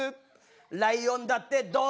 「ライオンだって動物」